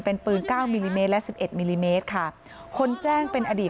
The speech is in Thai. เป็นปืนเก้ามิลลิเมตรและสิบเอ็ดมิลลิเมตรค่ะคนแจ้งเป็นอดีต